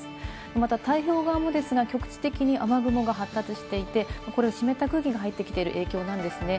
また太平洋側もですが局地的に雨雲が発達していて、これを湿った空気が入ってきている影響なんですね。